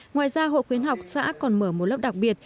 ngoài ra hội khuyến học xã còn mở một lớp đặc biệt